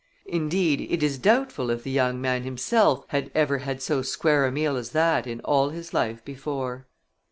Indeed, it is doubtful if the young man himself had ever had so square a meal as that in all his life before.